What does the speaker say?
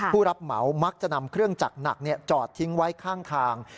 ผู้รับเหมามักจะนำเครื่องจักรหนักจอดทิ้งไว้ข้างทาง